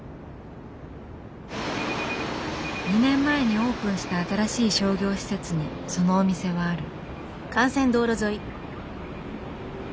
２年前にオープンした新しい商業施設にそのお店はある。